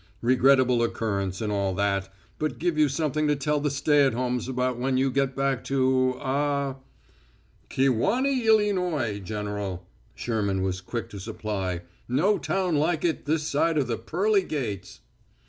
Regrettable occurrence and all that, but give you something to tell the stay at homes about when you get back to ah " "Kewanee, Illynoy, General," Sherman was quick to supply. "No town like it this side the pearly gates."